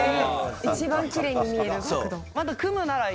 一番きれいに見える角度。